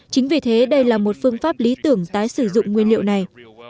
chính vì thế đây là một phương pháp lý tưởng tái sử dụng nguyên liệu này